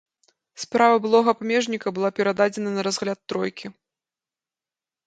Справа былога памежніка была перададзена на разгляд тройкі.